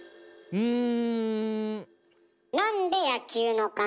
うん。